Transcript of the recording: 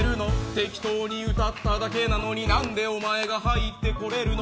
適当に歌っただけなのになんで、お前が入ってこれるの？